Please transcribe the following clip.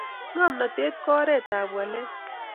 ngomnatet ko oret ap walet